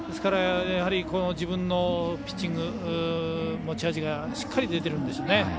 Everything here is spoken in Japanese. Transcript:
自分のピッチング、持ち味がしっかり出てるんでしょうね。